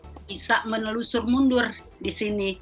kita bisa melusur mundur disini